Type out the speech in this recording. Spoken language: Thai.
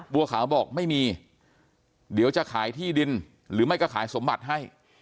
บัวขาวบอกไม่มีเดี๋ยวจะขายที่ดินหรือไม่ก็ขายสมบัติให้